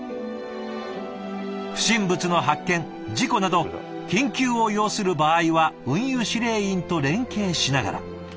不審物の発見事故など緊急を要する場合は運輸指令員と連係しながら。